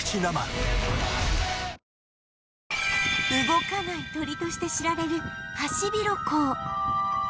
動かない鳥として知られるハシビロコウ